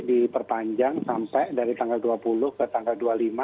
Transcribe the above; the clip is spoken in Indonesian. diperpanjang sampai dari tanggal dua puluh ke tanggal dua puluh lima